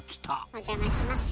お邪魔します。